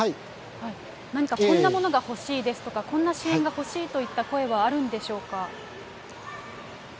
何かこんなものが欲しいですとか、こんな支援が欲しいといった声はあるんでしょうか。